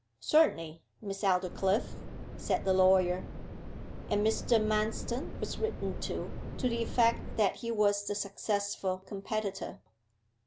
'Certainly, Miss Aldclyffe,' said the lawyer. And Mr. Manston was written to, to the effect that he was the successful competitor.